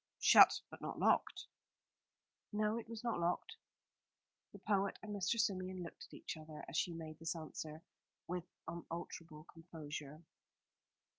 "Shut, but not locked?" "No, it was not locked." The poet and Mr. Symeon looked at each other as she made this answer, with unalterable composure.